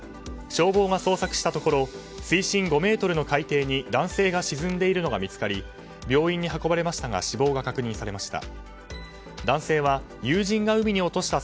消防が捜索したところ水深５ｍの海底に男性が沈んでいるのが見つかり病院に運ばれましたが死亡が確認されました。